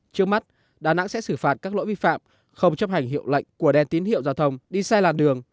trước mắt đà nẵng sẽ xử phạt các lỗi vi phạm không chấp hành hiệu lệnh của đèn tín hiệu giao thông đi sai làn đường